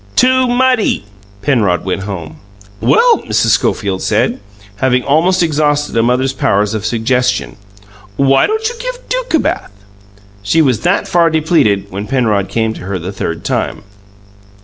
"TOO MUDDY!" Penrod went home. "Well," Mrs. Schofield said, having almost exhausted a mother's powers of suggestion, "well, why don't you give Duke a bath?" She was that far depleted when Penrod came to her the third time.